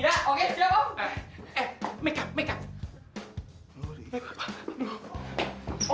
lampu ya lampu ya